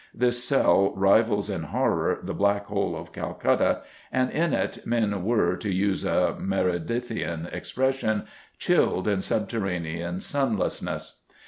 This cell rivals in horror the Black Hole of Calcutta, and in it men were, to use a Meredithian expression, chilled in subterranean sunlessness.